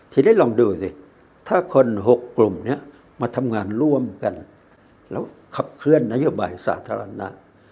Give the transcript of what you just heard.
ทีนี้ลองดูสิถ้าคน๖กลุ่มนี้มาทำงานร่วมกันแล้วขับเคลื่อนนโยบายสาธารณะ